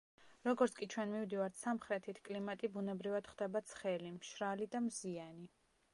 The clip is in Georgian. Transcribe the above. როგორც კი ჩვენ მივდივართ სამხრეთით, კლიმატი ბუნებრივად ხდება ცხელი, მშრალი და მზიანი.